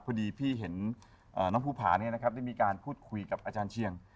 พอดีพี่เห็นน้องภูภาเนี่ยนะครับได้มีการพูดคุยกับอาจารย์เชียง